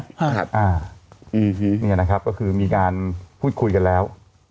อย่างนี้นะครับก็คือมีการพูดคุยกันแล้ว